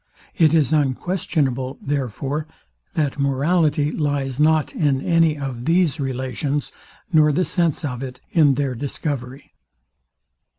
It is unquestionable, therefore, that morality lies not in any of these relations, nor the sense of it in their discovery.